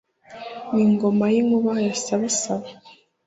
n'ingoma y'inkuba ya saba saba